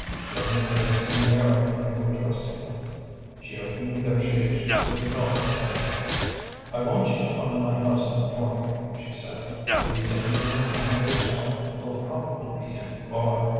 Joan appraised him narrowly before trusting him. She opened negotiations with a dollar tip. "I want you to find my husband for me," she said. "If he's anywhere around the hotel, he'll probably be in the bar.